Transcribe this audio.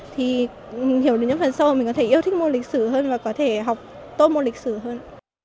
thì mình hiểu được những phần sâu mình có thể yêu thích môn lịch sử hơn và có thể học tốt môn lịch sử hơn